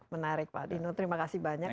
menarik pak dino terima kasih banyak